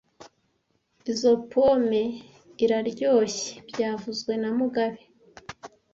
Izoi pome iraryoshye byavuzwe na mugabe